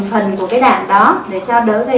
phần của cái đạm đó để cho đỡ gây